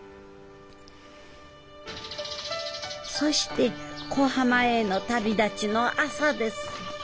そして小浜への旅立ちの朝です。